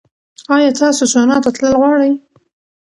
ایا تاسو سونا ته تلل غواړئ؟